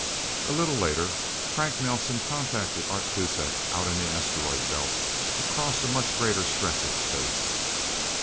A little later, Frank Nelsen contacted Art Kuzak, out in the Asteroid Belt, across a much greater stretch of space.